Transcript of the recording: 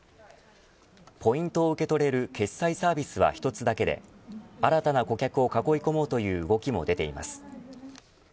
ポイントを受け取れる決済サービスは１つだけで新たな顧客を囲い込もうという動きも出ています。